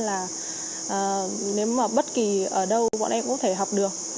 là nếu mà bất kỳ ở đâu bọn em cũng có thể học được